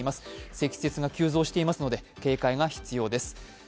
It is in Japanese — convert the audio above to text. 積雪が急増していますので警戒が必要です。